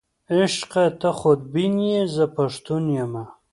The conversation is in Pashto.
عشقه ته خودبین یې، زه پښتون یمه.